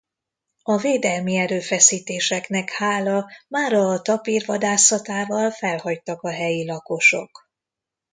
A védelmi erőfeszítéseknek hála mára a tapír vadászatával felhagytak a helyi lakosok.